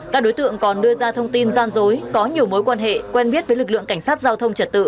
các đối tượng còn đưa ra thông tin gian dối có nhiều mối quan hệ quen biết với lực lượng cảnh sát giao thông trật tự